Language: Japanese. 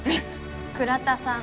倉田さん